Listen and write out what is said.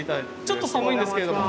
ちょっと寒いんですけれども。